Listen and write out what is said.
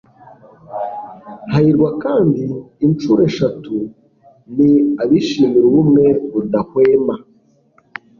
hahirwa kandi inshuro eshatu ni abishimira ubumwe budahwema